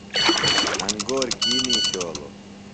انگور کی نِشولوۡ؟